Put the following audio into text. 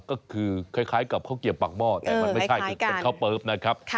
ก็คือคล้ายกับข้าวเกียบปากหม้อแต่มันไม่ใช่เป็นข้าวเปิ๊บนะครับ